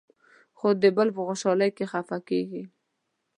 خو د بل په خوشالۍ کې خفه کېږي.